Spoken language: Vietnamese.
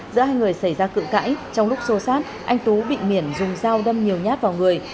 giữa hai người xảy ra cự cãi trong lúc xô xát anh tứ bị miễn dùng dao đâm nhiều nhát vào người